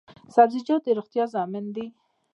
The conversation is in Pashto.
سبزیجات د روغتیا ضامن دي